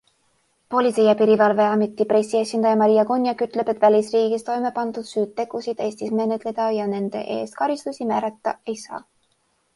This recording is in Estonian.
Politsei- ja piirivalveameti pressiesindaja Maria Gonjak ütleb, et välisriigis toimepandud süütegusid Eestis menetleda ja nende eest karistusi määrata ei saa.